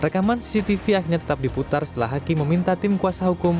rekaman cctv akhirnya tetap diputar setelah hakim meminta tim kuasa hukum